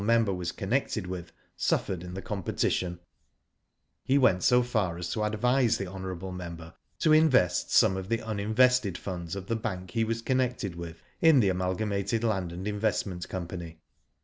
member was con nected with suffered in the competition. Digitized by Google ISO IV/fO DID ITf He went so far as to advise the hon. member to invest some of the uninvested funds of the bank he was connected with in the Amalgamated Land and Investment Company.